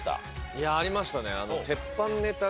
いやありましたね。